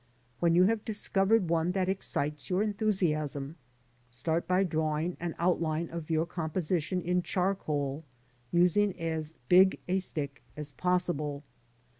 When you have discovered one that excites your enthusiasm, start by drawing an outline of your composition in charcoal, using as big a stick as possible.